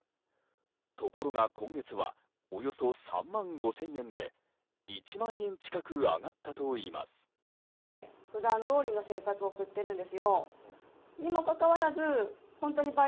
ところが、今月はおよそ３万５０００円で１万円近く上がったといいます。